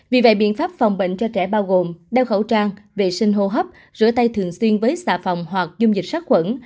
vì vậy biện pháp phòng bệnh cho trẻ bao gồm đeo khẩu trang vệ sinh hô hấp rửa tay thường xuyên với xà phòng hoặc dung dịch sát khuẩn